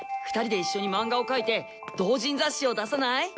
２人で一緒に漫画を描いて同人雑誌を出さない？